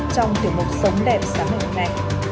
trong tiểu mục sống đẹp xã mệnh mẹ